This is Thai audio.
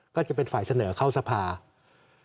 ก็จะเป็นฝ่ายเสนอเข้าทรภาพกรุงเทพมนาคอล